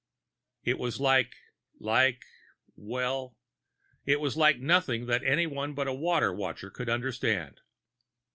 It was like ... like ... well, it was like nothing that anyone but a Water Watcher could understand.